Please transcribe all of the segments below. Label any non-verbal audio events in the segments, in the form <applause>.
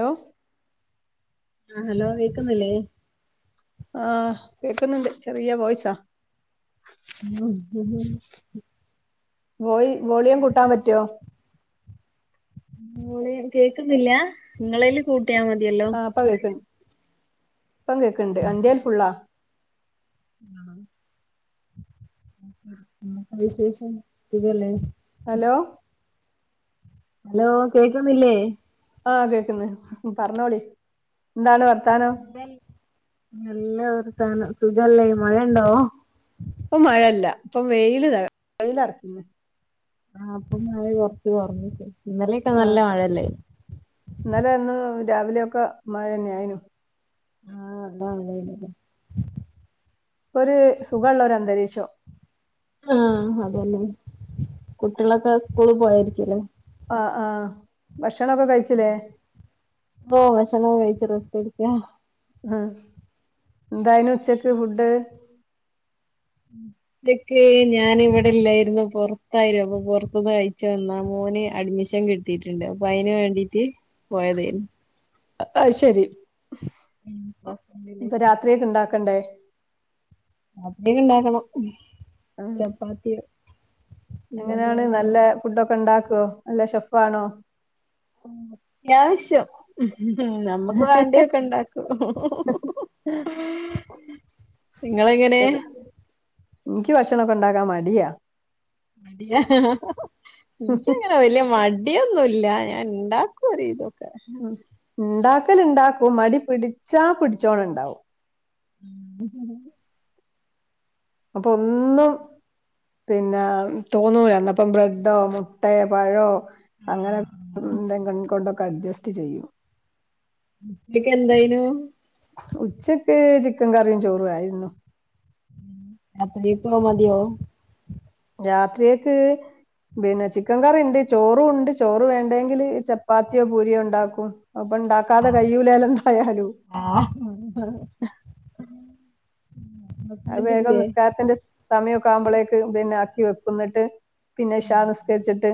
Law ആഹ് hello കേക്കുന്നില്ലേ? ആ കേക്കുന്നുണ്ട്. ചെറിയ വോയ്സാ. <unintelligible> വോയി വോളിയം കൂട്ടാം പറ്റോ? വോളിയം കേൾക്കുന്നില്ലാ ങ്ങളേൽ കൂട്ട് ആ പ്പക്കേക്ക്ണ്ട് പ്പംകേക്ക്ണ്ട് ൻെൽ ഫുള്ളാ ആ <unintelligible> വിശേഷം സുഖല്ലേ? ഹലോ ഹലോ കേക്കുന്നില്ലേ? ആഹ് കേക്കുന്ന് ഹ് ഹ് പറഞ്ഞോളി എന്താണ് വർ <unintelligible> വെൽ നല്ല വർത്താനം സുഗല്ലെ മഴണ്ടോ? പ്പം വെയില് ത വെയിലർക്കുന്നു. ആ ഇപ്പം മയ കൊറച്ച് കൊറഞ്ഞിക്ക. ഇന്നല്യോക്കെ നല്ല ആഹ് മഴല്ലേ? ഇന്നലെ ഇന്നും രാവിലെയൊക്കെ മഴെന്നെ ആയിനു. ആ അതാണ് ലേ. <unintelligible> ഒരു സുഖള്ളൊരന്തരീക്ഷൊ ആ അതല്ലേ കുട്ടികളൊക്കെ സ്കൂളിൽ പോയായിരിക്കുലേ? ആ ആ ഭക്ഷണൊക്കെ കഴിച്ചില്ലേ? കെയിച്ച് റസ്റ്റെട്ക്ക അ. ആ എന്തായിനു ച്ചക്ക് ഫുഡ്? <unintelligible> ഞാനിവിടെ ഇല്ലായിരുന്നു പൊറത്തായിരുന്നു. പൊറത്ത്ന്ന് കഴിച്ചു വന്നാ മോ മൊന് അഡ്മിഷൻ കിട്ടീട്ട്ണ്ട് അപ്പൊ അയിന് വേണ്ടീട്ട് പോയതേനി. അ അഉ ശെരി പ്പൊ ഹോസ്പിറ്റലിലേക്ക് രാത്രിയില് ണ്ടാ ക്കണ്ടേ? അ <unintelligible> ണ്ടാക്കണം ചപ്പാത്തി എങ്ങനാണ് നല്ല ഫുഡൊക്കെ ണ്ടാക്കോ? നല്ല ഷെഫാണോ? ത്യാവശ്യം ഹ്മ് മ് നമ്മുക്ക് വാണ്ടിയൊക്കെ ണ്ടാക്കും. ഹ് മ് മ് മ് മ് <inaudible> ങ്ങളെങ്ങെനേ? ഇൻക്ക് ഭക്ഷണോക്കെ ണ്ടാക്കാൻ മടിയാ. മടിയാ ഹ് ഹ് ഹ് എൻക്കങ്ങനെ വല്യ മട് ടിയൊന്നുല്ല ഞാണ്ടാക്കും ഒരുവിതൊ ഉം ണ്ടാക്കല് ണ്ടാക്കും മടി പിടിച്ചാ പിടിച്ചോണം ഉണ്ടാവും ഉ ഹ് <unintelligible> പ്പൊ ഒന്നും പിന്നാ... തോന്നൂലന്നപ്പം ബ്രെഡോ മുട്ടേ പഴോ അങ്ങനെ ന്തെ കൊണ്ടൊക്കെ അഡ്ജസ്റ്റ് ചെയ്യും. ഉച്ചക്ക് എന്തായിനു <inaudible> ഉച്ചക്ക് ചി ക്കൻകറീം ചോറു ആയിര്ന്നു. <unintelligible> മതിയോ രാത്രിയക്ക് പിന്നെ ചിക്കൻ കറിണ്ട് ചോറും ണ്ട് ചോറ് വേണ്ടെങ്കില് ചപ്പാത്തിയോ പൂരിയോ ണ്ടാക്കും. ഹ്പ്പൊ ണ്ടാക്കാതെ കയ്യൂല്ലല്ലോ ന്തായാലും. ആ അഉ ഹസ്ബൻഡ് വേഗം ഇല്ലേ നിസ്കാരത്തിന്റെ സമയൊക്കെ ആവുമ്പോളേക്ക് പിന്നെ ആക്കി വെക്കുന്നിട്ട് പിന്നെ ഇശാ നിസ്കര്ച്ചിട്ട്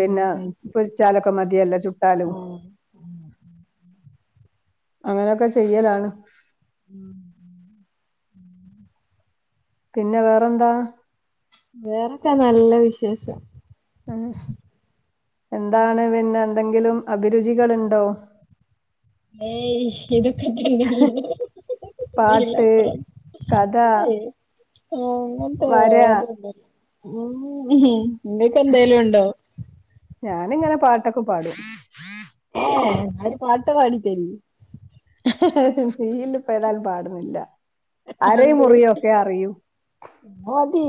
ആ കഴിച്ചു പൊര്ച്ചാലൊക്കെ മതിയല്ലോ ചുട്ടാലും ആ അങ്ങനെയൊക്കെ ചെയ്യലാണ്. <inaudible> പിന്നെ വേറെന്താ? വേറൊക്കെ നല്ല വിശേഷം. എന്താണ് പിന്നെ എന്തെങ്കിലും അഭിരുചികൾഇണ്ടോ. ഏയ് ഇതൊക്കെ തന്നെ അപ്പറം. അതാ ആ അങ്ങത്തെ യാതൊരു <unintelligible> മം ഇങ്ങക്ക് എന്തേലുണ്ടോ? ഞാനിങ്ങനെ പാട്ടൊക്കെ പാടും. ഏ ന്നാരു പാട്ട് പാടി തെരി ഇതില് ഇപ്പോ ഏതാലും പാട്ണില്ല അരയും എന്ത് മുറിയോക്കെ അറിയൂ. മതി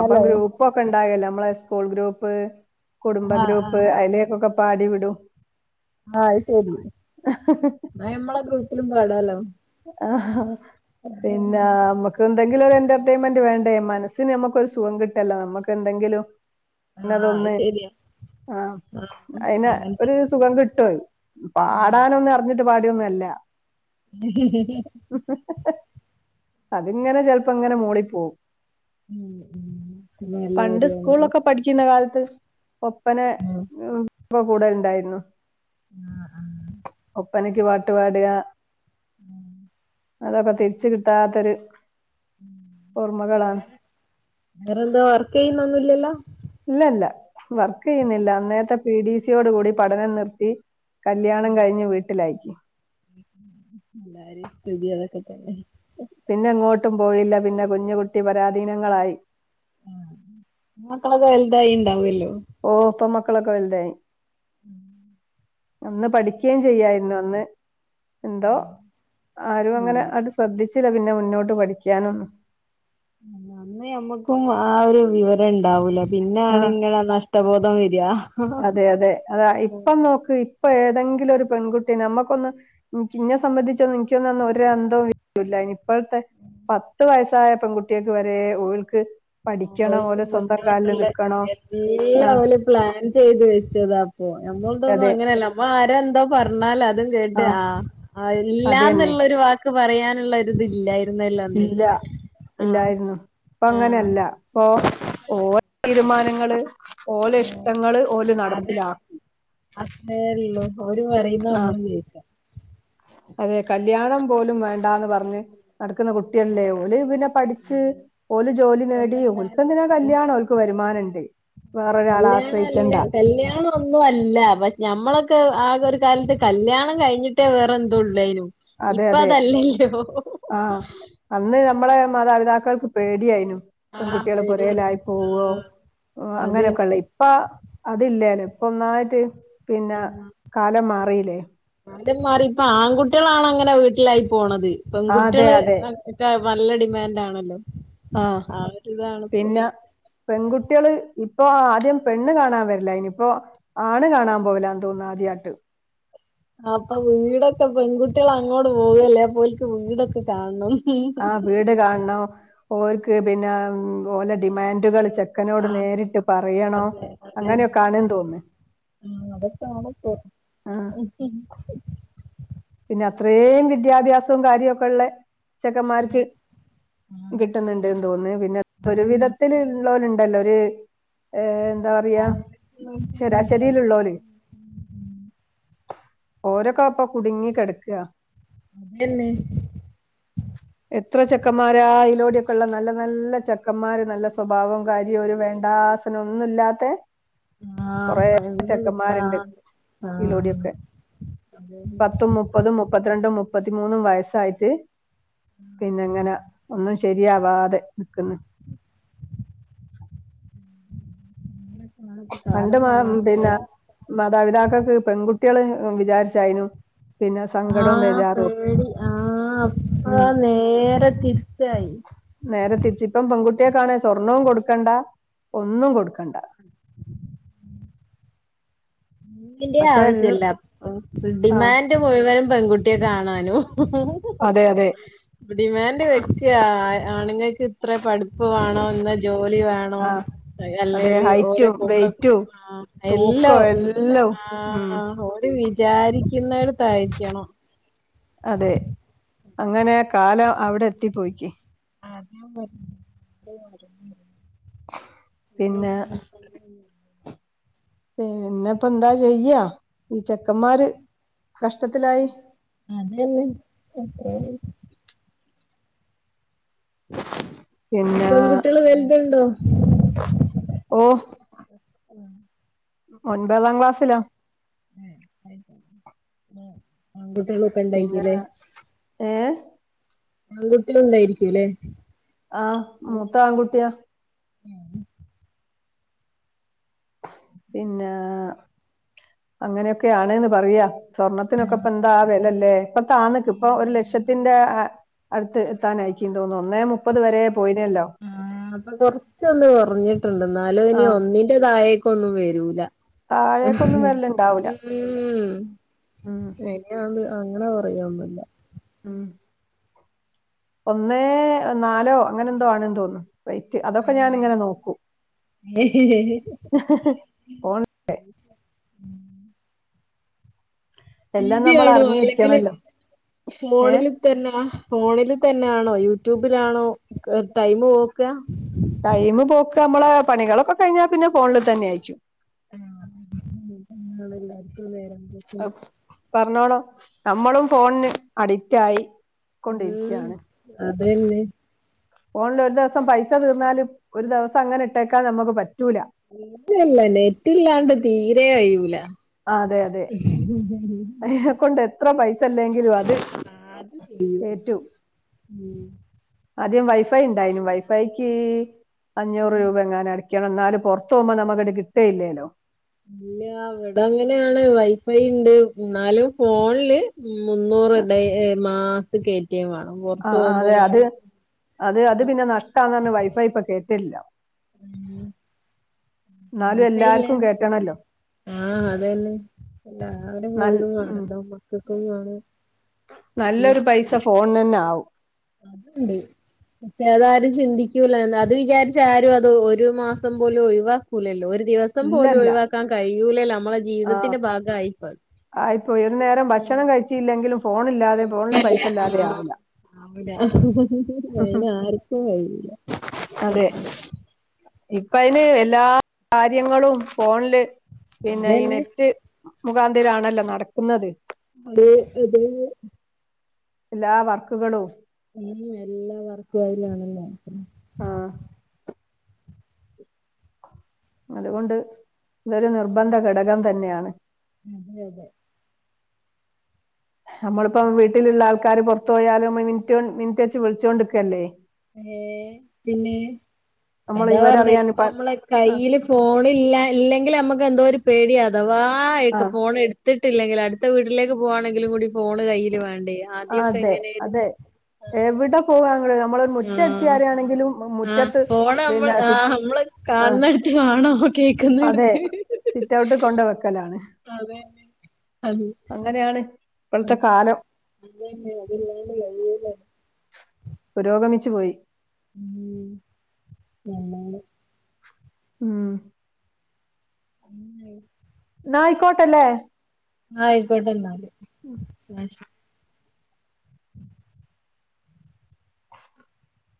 അപ്പം ഗ്രൂപ്പൊക്കെ ഇണ്ടാകേലെ മ്മളെ സ്കൂൾ ഗ്രൂപ്പ് കുടുംബ ആ ആ ഗ്രൂപ്പ് അയി ലേക്കൊക്കെ പാടി വിടൂ ആഹ് ശെരി ആഹ് മ്മളെ ഗ്രൂപ്പിലും പാടാലോ? ആ പിന്നെ അമ്മക്ക് എന്തെങ്കിലും ഒരു എന്റർടൈൻമെന്റ് വേണ്ടേ അതെ മനസ്സിന് നമുക്കൊരു സുഖം കിട്ടല്ലോ നമുക്ക് എന്തെങ്കിലും ആ അത് ഇന്നതൊന്ന്. ശരിയാ ആ അയ്ന് അങ്ങനത്തെ ഒരു സുഖം കിട്ടുവെയ് ആ ആ പാടാനൊന്നും അറിഞ്ഞിട്ട് പാടിയൊന്നല്ല. <inaudible> <inaudible> അതിങ്ങനെ ചെൽപ്പോ ഇങ്ങനെ മൂളി പോവും. ഉം, ഉം. നല്ല പണ്ട് കാര്യമാണല്ലോ സ്കൂള്ളൊക്കെ പഠിക്കുന്ന കാലത്ത് ഒപ്പന ഇപ്പ കൂടേണ്ടായിരുന്നു ആ ആ ഒപ്പനക്ക് പാട്ട് പാടാ ഉം. അതൊക്കെ തിരിച്ച് കിട്ടാത്തൊരു ഓർമ്മകളാണ് വേറെന്താ വർക്കെയുന്നൊന്നില്ലല്ലോ? ഇല്ലല്ല വർക്ക് ചെയ്യുന്നില്ല അന്നേത്തെ പി ഡി സിയോട് കൂടി പഠനം നിർത്തി. കല്യാണം കഴിഞ്ഞ് വീട്ടിലായി. എല്ലാരെയും സ്ഥിതി അതൊക്കെ തന്നെ ഒട്ടും പോയില്ല പിന്നെ കുഞ്ഞുകുട്ടി പരാധീനങ്ങളായി. ആ മക്കളൊക്കെ വലുതായിണ്ടാവൊല്ലോ? ഓ ഇപ്പൊ മക്കളൊക്കെ വലുതായി. <inaudible> അന്ന് പഠിക്ക്യേം ചെയ്യായിരുന്നു അന്ന് എന്തോ ആരും അങ്ങനെ ആന്ന് അത് ശ്രദ്ധിച്ച് പിന്നെ പിന്നെ മുന്നോട്ട് പഠിക്യനൊന്നും. അന്ന് ഞമ്മക്കും ആ ഒരു വിവരം ഇണ്ടാവൂല ആ പിന്നാണ് ഇങ്ങനെ നഷ് ട്ടബോധം വെര് ഹ അതെ അതെ അതാ ഇപ്പം നോക്ക് ഇപ്പൊ ഏതെങ്കിലും ഒരു പെൺകുട്ടി നമുക്കൊന്ന് ഇൻക്ക് ഇനെ സംബന്ധിച്ചൊന്നും നിക്കൊന്നും ഒര അന്ധവുമില്ലാഇനി ഇപ്പോഴത്തെ പത്ത് വയസായ പെൺകുട്ടിയാക്ക് വെരെ ഓൽക്ക് ഓൽക്ക് മുന്നോട്ടുള്ള എല്ലാം ആ ഓൽ പ്ലാൻ ചെയ്ത് വെച്ചത് അപ്പൊ ഞമ്മൾ തോന്നും അതെ അങ്ങനെയല്ല ഞമ്മൾ ആരാ എന്തോ പറഞ്ഞാലതും കേട്ട് ആ ആ അത് തന്നെ ഇല്ലാന്നുള്ള ഒരു വാക്ക് പറയാനുള്ളരിതില്ല ഇല്ല ഇല്ലായിരുന്നു ഇപ്പൊ അങ്ങനെയല്ല ആഹ് ഇപ്പോ ഓരോ തീരുമാനങ്ങള് ഓലെ ഇഷ്ടങ്ങള് ഓല് അതെ നടപ്പിലാക്കി അത്രേ ഉള്ളൂ ഓര് പറയുന്ന നമ്മള് കേൾക്കാ അതെ കല്യാണം പോലും വേണ്ടാന്ന് പറഞ്ഞ് നടക്കുന്ന കുട്ടികളില്ലേ ഓല് പിന്നെ പഠിച്ച് ഉം. ഓല് ജോലി നേടി സ്വന്തം ഓൽക്ക് കാലിൽ എന്തിനാ കല്യാണം ഓൽക്ക് വരുമാനം ഉണ്ട് അ കല്യാണം അല്ല കല്യാണം ഒന്നും അല്ല പ ഞമ്മളൊക്കെ ആകെ കാലത്ത് കല്യാണം കഴിഞ്ഞിട്ടേ വേറെ എന്തതു ഉള്ളൂ അതിനു അതെ അതെ ആഹ അന്ന് നമ്മള മാതാപിതാക്കൾ പേടിയായിും ആഹ് പെൺകുട്ടികള് പേടിയേനു പുരലായി പോവോ ആഹ് അങ്ങനെയൊക്കെ ഉള്ള അതന്നെ ഇപ്പ അതില്ലേന ഒന്നായിട്ട് പിന്നെ കാലം മാറില്ലേ ആറ്റം മാറി ഇപ്പ ആൺകുട്ടികളാണ് അങ്ങനെ വീട്ടിലായി പോണത് ആഹ് അതെ പെൺകുട്ടികള് അതെ നല്ലടി ൻഡ ആണല്ലോ ആഹ് ആ ഇതണിപ്പ പിന്നെ പെൺകുട്ടികള് ഇപ്പൊ ആദ്യം പെണ് കാണാൻ വരില്ല ഇനിയിപ്പോൊ ആണ് കാണാൻ പോവലന്ന് തോന്ന ആദ്യാട്ട് അപ്പൊ വീടൊക്കെ പെൺകുട്ടികൾ അങ്ങോട്ട് പോവല്ലേ പോലക്ക് വീടൊക്കെ കാണണം ആ വീട് കാണണം ഓർക്ക് പിന്നെ ഓലെ ഡിമാൻഡുകൾ ച ചക്കനോട് ആ നേരിട്ട് പറയണോ അതെ അങ്ങനെയൊക്കെ ആണേെന്ന് തോന്നു ആഹ അതൊക്കെ ആണപ്പ പിന്നെ അത്രയും വിദ്യാഭ്യാസവും കാര്യവും ഒക്കെ ഉള്ള അ ചെക്കന്മാർക്ക് ആ കിട്ടുന്നുണ്ട്ന്ന് തോന്നുന്നു പിന്നെ ഒരു അതന്നെ വിധത്തിള്ള അത്ര പോല ഉണ്ടല്ലോ ഒരു ഏർ എന്താ പറയാ ആഗ്രഹിച്ചുള്ളവർക്കൊന്നും ഇപ്പ അത് ശരാശരിയിലുള്ളല ഓര കാപ്പ കുടുങ്ങി കിടക്കയാ അതന്നെ ഇത്ര ചെക്കന്മാരാ അതിലോടെൊക്കെ ഉള്ള നല്ല നല്ല ചെക്കന്മാര് നല്ല സ്വഭാവവും കാര്യവും ഒരു വേണ്ട അന ഒന്നുമല്ലാത്ത ആ കൊറെേ പണ്ട് ചെക്കന്മാരുണ്ട് കിട്ടാണ്ട് ആ ഇതിലൂടെിയൊക്കെ അതന്നെ. പത്തും മുപ്പതും മുപ്പത്തി രണ്ടും മുപ്പ മുപ്പത്തിമൂന്ന വയസ്സായിട്ട് പിന്നെങ്ങനെ ഒ ശരിയാവാതെ നിക്കുന്നു അങ്ങനൊക്കാണിപ്പ പണ്ട് കാലം മാ പിന്നെ മാറിപ്പോയത്. മാതാപിതാക്കൊക്ക് പെൺകുട്ടികള് വിചാരിച്ചായിു ആ പേടി ആ അപ്പ ഉം. നേരെ തിരിച്ചയി നേരെ തിരിച്ചിപ്പം പെൺകുട്ടിയെ കാാണ സ്വർണ്ണവും കൊടുക്കണ്ട ഒന്നും കൊടുക്കണ്ട അന്റെ പക്ഷെ ആവശ്യല്ല ആ ഡിമാൻഡ് മുഴുവനും പെൺകുട്ടിയ കാണ ഡൻഡ് അതെ അതെ വെക്കണ ഇത്ര പഠിപ്പ് വേണോ ഇന്ന ജോലി വേണോ ആ അതെ അല്ലേല് ഓരോ ഹൈറ്റും കോടും വെയിറ്റും ആ തൂക്കം എല്ലാം എല്ലാം ആ ഉം ഓര് വിചാരിക്കുന്ന യിരിക്കണം അതെ അങ്ങനെ കാലം അവിടെ എത്തി പോയിക്ക് ആ <unintelligible> അള പിന്നെ <unintelligible> പിന്നെപ്പ എന്താ ചെയ്യാ ഈ ചെക്കന്മാര് കഷ്ടത്തിലായി അത <unintelligible> <inaudible> ഇ പെൺകുട്ടികള് വലുതണ്ടോ ഓ ഒൻപതാം ക്ലാസ്സിലാ. <unintelligible> ആൺകുട്ട്യേളൊക്കെ പിന്നെ ഇണ്ടായിക്കുലേ. ഏ? ആൺകുട്ട്യല് ഇണ്ടായിരിക്കൂലെ. ആ മൂത്ത ആൺങ്കുട്ടിയാ. ഉം. പിന്നെ... അങ്ങനെയൊക്കെയാണ്ന്ന് പറയ്യാ സ്വർണത്തിനൊക്കെ ഇപ്പ എന്താ വെലല്ലേ? ഉം <unintelligible> <unintelligible> അപ്പൊ കൊറച്ചൊന്ന് കൊറഞ്ഞിട്ടിണ്ട് ന്നാലും ഇനി ആ ഒന്നിൻ്റെതായ ഒന്നും വരൂല. താഴേക്കൊന്നും വരലുണ്ടാവൂല ഉം <inaudible> അങ്ങനെ പറയൊന്നില്ല്യ. ഉം. ഒന്നേ നാലോ അങ്ങനെന്തോ ആണ് തോന്നും റേറ്റ്, അതൊക്കെ ആണല്ലേ ഞാനിങ്ങനെ നോക്കൂ. ഫോൺ <inaudible> <unintelligible> എല്ലാം ടീവി നമ്മൾ ആണോ അല്ലെങ്കില് അറിഞ്ഞിരിക്കണല്ലോ ഏ ഫോണില് തെന്നാ. ഫോണില്തെന്നൊണോ യൂട്യൂബിലാണോ ടൈമ് പോക്ക? ടൈമ് പോക്ക് അമ്മളെ പണികളൊക്കെ കഴിഞ്ഞാ പിന്നെ ഫോണില് തന്ന്യായിക്കും. അതാണ് <unintelligible> അമ്മളും ഫോൺന് അഡിറ്റായി. ഉം അതെന്നെ. ഫോണിലൊരു ദെവസം പൈസ തീർന്നാല് ഒരു ദെവസം അങ്ങനെട്ടേക്കാൻ ഞമ്മക്ക് <unintelligible> ല്ല ല്ല നെറ്റില്ലാണ്ട് തീരെ കയ്യൂല. <unintelligible> അയിനെക്കൊണ്ട് എത്ര പൈസല്ലെങ്കിലും അ ആ അത് ചെയ്യും ഉം. ആദ്യം വൈഫൈണ്ടായിനൂ വൈഫൈക്ക് അഞ്ഞൂറ് രൂപ എങ്ങാനടക്ക ക്കണം ന്നാലും പൊറത്തോമ്പോ നമ്മക്കത് കിട്ടേല്ലേല്ലോ. ഇല്ല വ്ടെങ്ങെനേണ് വൈഫൈണ്ട് ന്നാലും ഫോൺല് മുന്നൂറ് ഇടയ് മാസ കേ ആ അതെ അത് അത് അത് പിന്നെ നഷ്ടാന്നറഞ്ഞ് വൈഫൈപ്പൊ കേറ്റല്ല. ഉം. ന്നാലും എല്ലാർക്കും കേറ്റണല്ലോ. ആ അതന്നെ എല്ലാരെ നൽ ഫോണിലും ഉം വാണല്ലോ മക്കക്കും വാണം. നല്ലൊരു പൈസ ഫോൺനെന്നാവും. അത്ണ്ട്. പക്ഷേ അതാരും ചിന്തിക്കൂല അത് വിചാരിച്ചാരും അത് ഒരു മാസം പോലും ഒഴിവാക്കൂലല്ലോ ഒര് ദിവസം പോലും ഇല്ലല്ല ഒഴിവാക്കാൻ കഴിയ്യൂലേലോ അമ്മളെ ജീവിതത്തിന്റെ ഭാഗായിപ്പോ ആ ഇപ്പോ ഒര് നേരം ഭക്ഷണം കഴിച്ചില്ലെങ്കിലും ഫോണില്ലാതെ ഫോണില് കൊഴപ്പല്ല പൈസ ഇല്ലാതെ ആ. ആവൂല <unintelligible> ആർക്കും കയ്യൂല. അതെ. ഇപ്പ അയിന് എല്ലാ കാര്യങ്ങളും ഫോൺല് പിന്നെ ഈ അതന്നെ നെറ്റ് മുഖാന്തെരാണല്ലോ നടക്കുന്നെത്. അതെ അതെ. എല്ലാ വർക്ക്കളൂ ഉം എല്ലാ വർക്കൂ അയിലാണല്ലോ. ആ അത്കൊണ്ട് ഇതൊര് നിർബന്ധ ഘടകം തന്നെയാണ്. അതെ അതെ നമ്മളിപ്പം വീട്ടിലുള്ള ആൾക്കാര് പുറത്തു പോയാലും <unintelligible> മിനിറ്റ് വെച്ച് വിളിച്ചോണ്ട്ക്കുവല്ലേ ഏ പിന്നേ നമ്മൾ അതാ പറഞ്ഞ ഇവരറിയാൻ ഇപ്പൊ പ നമ്മളെ ആ കയ്യില് ഫോണില്ല ഇല്ലെങ്കിൽ നമ്മുക്ക് എന്തോര് പേട്യ അഥവാ ആ ഫോൺ എടുത്തിട്ട് ഇട്ടില്ലെങ്കിൽ അടുത്ത വീട്ടിലേക്ക് പോവാണെങ്കിലുങ്കൂടി ഫോണ് കയ്യിൽ വേണ്ടേ ആദ്യൊക്കെ അതെ എങ്ങനെയായിരുന്നു അതെ എവിടെ പോവാണെ ആഹ് ആഹ് ഫോണ് നമ്മള് പിന്നെ സി ആഹ് നമ്മള് ആ കാണുന്നടുട്ട വാണോ കേൾക്കുന്ന എടുത്ത് സിറ്റ് ഔട്ട് കൊണ്ട് വെക്കലാണ് അ അങ്ങനെയാണ് അ ഇപ്പോഴത്തെ കാലം അങ്ങെ അതില്ലാണ്ട് കയ്യൂലാലൊ പുരോഗമിച്ചു പോയി ഉം നല്ലോണം ഉം ഉം ന്നായിക്കോട്ടല്ലേ ആയിക്കോട്ടെ ന്നാല് ഉം ക്ഷെ അ